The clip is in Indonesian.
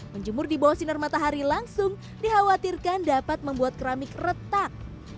menjemur di bawah sinar matahari langsung dikhawatirkan dapat membuat keramik retak